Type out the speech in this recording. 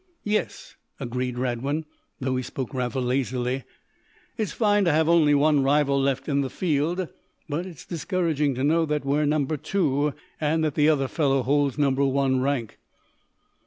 "Yes," agreed Radwin, though he spoke rather lazily. "It's fine to have only one rival left in the field, but it's discouraging to know that we're number two, and that the other fellow holds number one rank.